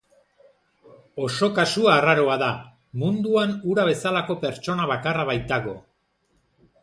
Oso kasu arraroa da, munduan hura bezalako pertsona bakarra baitago.